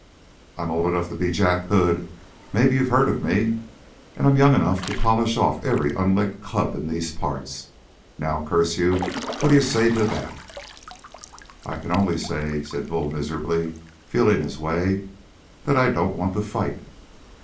"I'm old enough to be Jack Hood maybe you've heard of me? And I'm young enough to polish off every unlicked cub in these parts. Now, curse you, what d'ye say to that?" "I can only say," said Bull miserably, feeling his way, "that I don't want to fight."